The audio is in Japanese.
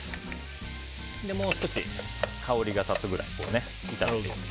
少し香りが立つぐらいに炒めて。